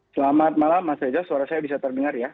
selamat malam mas reza suara saya bisa terdengar ya